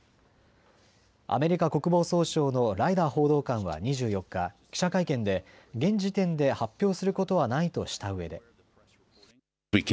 アメリカ国防総省のライダー報道官は２４日、記者会見で現時点で発表することはないとしたうえで。